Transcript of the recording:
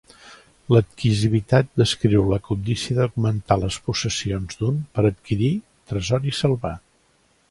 L'adquisitivitat descriu la cobdícia d'augmentar les possessions d'un, per adquirir, tresor i salvar.